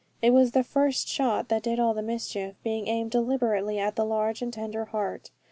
It was the first shot that did all the mischief, being aimed deliberately at the large and tender heart.